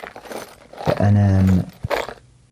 سأنام.